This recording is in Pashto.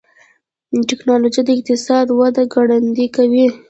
ټکنالوجي د اقتصاد وده ګړندۍ کوي.